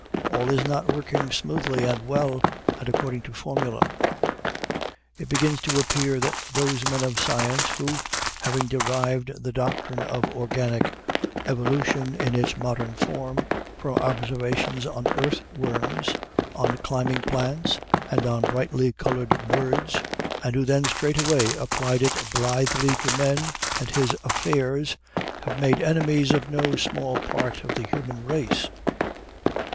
All is not working smoothly and well and according to formula. It begins to appear that those men of science who, having derived the doctrine of organic evolution in its modern form from observations on earthworms, on climbing plants, and on brightly colored birds, and who then straightway applied it blithely to man and his affairs, have made enemies of no small part of the human race.